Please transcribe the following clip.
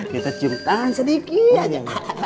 kita cium tangan sedikit aja